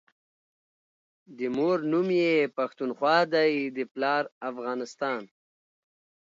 دمور نوم يی پښتونخوا دی دپلار افغانستان